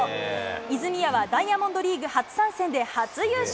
泉谷はダイヤモンドリーグ初参戦で初優勝。